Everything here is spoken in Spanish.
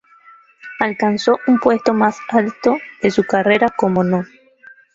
Alcanzó un puesto más alto de su carrera como No.